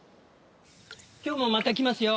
今日もまた来ますよ。